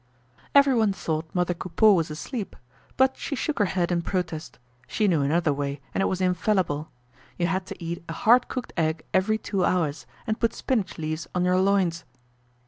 Everyone thought mother Coupeau was asleep, but she shook her head in protest. She knew another way and it was infallible. You had to eat a hard cooked egg every two hours, and put spinach leaves on your loins.